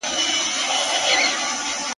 o د کم بخته، غول بې وخته.